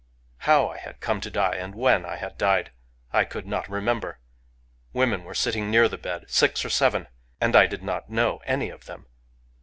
How I had come to die, and when I had died, I could not remember. Women were sitting near the bed, — six or seven, — and I did not know any of them.